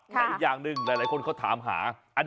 แต่อีกอย่างหนึ่งหลายคนเขาถามหา